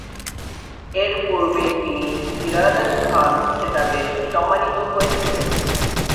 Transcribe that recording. এর পূর্বেই তিনি ‘ইরাদাত খান’ খেতাবে সম্মানিত হয়েছিলেন।